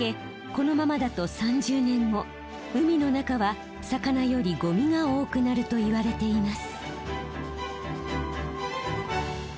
このままだと３０年後海の中は魚よりゴミが多くなるといわれています。